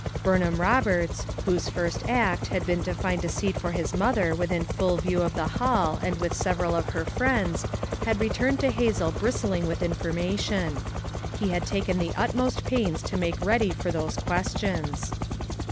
Burnham Eoberts, whose first act had been to find a seat for his mother within full view of the Hall, and with several of her friends, had returned to Hazel bristling with information. He had taken the utmost pains to make ready for those questions.